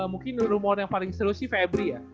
mungkin rumor yang paling seru sih febri ya